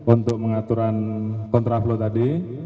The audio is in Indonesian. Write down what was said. untuk mengaturan kontraflow tadi